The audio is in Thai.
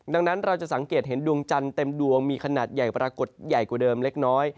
ดังนั้นเราจะสังเกตเห็นดวงจันทร์เต็มดวงมีขนาดใหญ่ปรากฏใหญ่กว่าเดิมเล็กน้อย